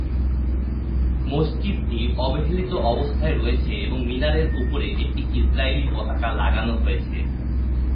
মসজিদটি অবহেলিত অবস্থায় রয়েছে এবং মিনারের উপরে একটি ইসরায়েলি পতাকা লাগানো হয়েছে।